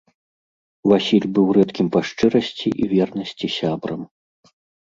Васіль быў рэдкім па шчырасці і вернасці сябрам.